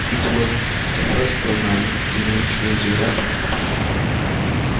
It was the first tournament in which Venezuela participated.